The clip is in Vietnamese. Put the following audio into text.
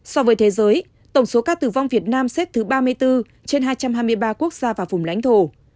so với thế giới tổng số ca tử vong việt nam xếp thứ ba mươi bốn trên hai trăm hai mươi ba quốc gia và vùng lãnh thổ